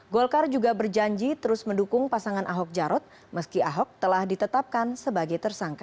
golkar juga berjanji terus mendukung pasangan ahok jarot meski ahok telah ditetapkan sebagai tersangka